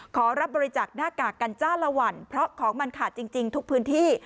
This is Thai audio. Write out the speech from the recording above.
ขอรับบริจาคหน้ากากกันจ้าละวันเพราะของมันขาดจริงทุกพื้นที่